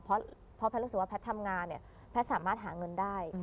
เพราะแพทย์รู้สึกว่าแพทย์ทำงานเนี่ยแพทย์สามารถหาเงินได้